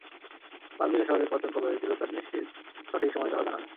পালমিরা শহরের পত্তন কবে হয়েছিল, তার নিশ্চিত সঠিক সময় কারও জানা নেই।